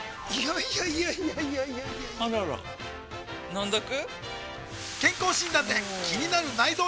いやいやいやいやあらら飲んどく？